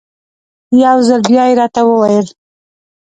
یو ځل بیا یې راته وویل.